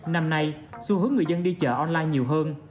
năm nay xu hướng người dân đi chợ online nhiều hơn